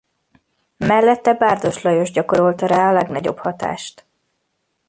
Mellette Bárdos Lajos gyakorolta rá a legnagyobb hatást.